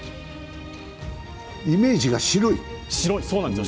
イメージが白いね。